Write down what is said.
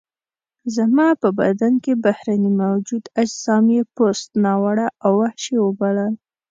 زما په بدن کې بهرني موجود اجسام یې پست، ناوړه او وحشي وبلل.